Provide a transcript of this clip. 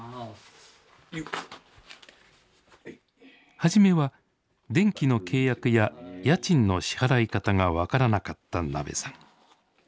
はじめは電気の契約や家賃の支払い方が分からなかったなべさん。